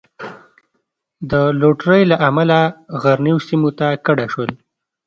د لوټرۍ له امله غرنیو سیمو ته کډه شول.